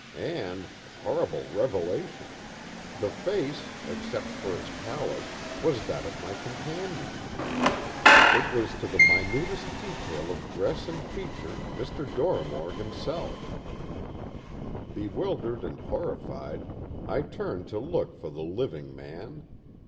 And—horrible revelation!—the face, except for its pallor, was that of my companion! It was to the minutest detail of dress and feature Dr. Dorrimore himself. Bewildered and horrified, I turned to look for the living man.